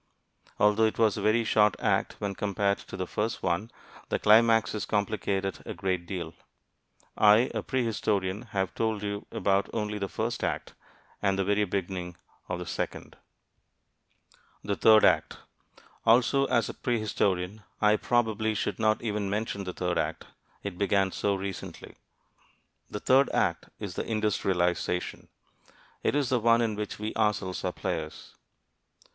Although it was a very short act when compared to the first one, the climaxes complicate it a great deal. I, a prehistorian, have told you about only the first act, and the very beginning of the second. THE THIRD ACT Also, as a prehistorian I probably should not even mention the third act it began so recently. The third act is The Industrialization. It is the one in which we ourselves are players.